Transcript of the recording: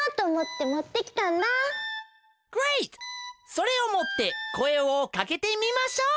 それをもってこえをかけてみましょう。